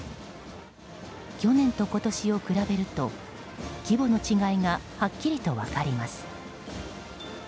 去年と今年を比べると規模の違いがはっきりと分かります。